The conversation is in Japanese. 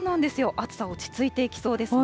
暑さ、落ち着いていきそうですね。